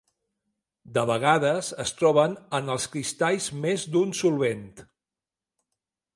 De vegades es troben en els cristalls més d'un solvent.